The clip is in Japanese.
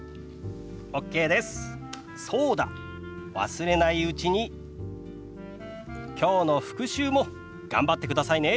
忘れないうちにきょうの復習も頑張ってくださいね。